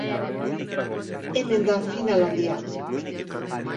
Hemen da final handia.